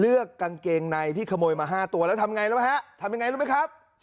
เลือกกางเกงในที่ขโมยมาห้าตัวแล้วทำไงแล้วไหมฮะทำยังไงแล้วไหมครับ